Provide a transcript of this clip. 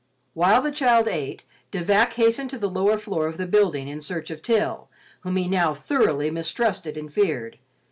While the child ate, De Vac hastened to the lower floor of the building in search of Til, whom he now thoroughly mistrusted and feared.